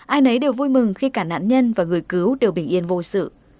ai nấy đều vui mừng khi cả nạn nhân và người cứu đều bình yên vô sự